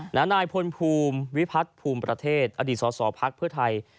หน้านายพลภูมิวิพัฒนภูมิประเทศอดีตสตรภพพเลอร์ไทย